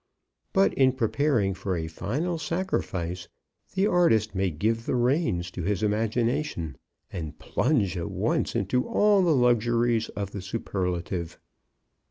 But in preparing for a final sacrifice the artist may give the reins to his imagination, and plunge at once into all the luxuries of the superlative.